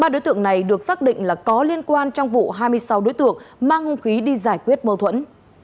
ba đối tượng này được xác định là có liên quan trong vụ hai mươi sáu đối tượng mang hung khí đi giải quyết mâu thuẫn